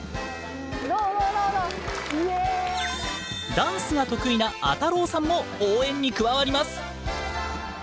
ダンスが得意なあたろーさんも応援に加わります。